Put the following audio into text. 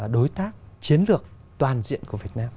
đối tác chiến lược toàn diện của việt nam